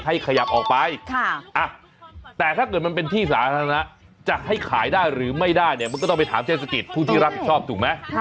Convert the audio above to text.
ขยับออกไปแต่ถ้าเกิดมันเป็นที่สาธารณะจะให้ขายได้หรือไม่ได้เนี่ยมันก็ต้องไปถามเทศกิจผู้ที่รับผิดชอบถูกไหม